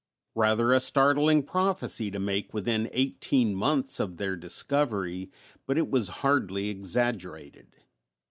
Rather a startling prophecy to make within eighteen months of their discovery, but it was hardly exaggerated.